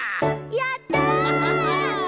やった！